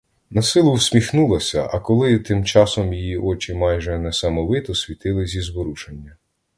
Насилу всміхнулася, а коли тим часом її очі майже несамовито світили зі зворушення.